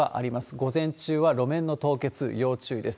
午前中は路面の凍結、要注意です。